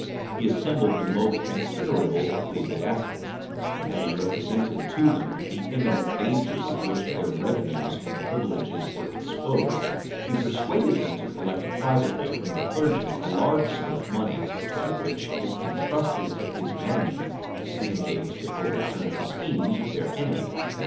He assembled the most considerable ecclesiastics; and having represented to them the imminent danger to which their revenues and privileges were exposed, he persuaded them to collect privately from the clergy a large sum of money, by which, if intrusted to his management, he engaged to overturn the schemes of their enemies.